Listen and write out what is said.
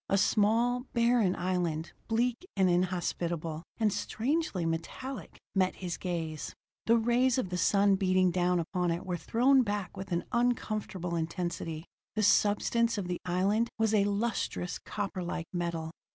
A small, barren island, bleak and inhospitable, and strangely metallic, met his gaze. The rays of the sun beating down upon it were thrown back with an uncomfortable intensity; the substance of the island was a lustrous, copperlike metal.